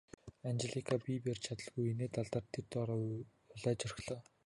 Анжелика биеэ барьж чадалгүй инээд алдаад тэр дороо улайж орхилоо.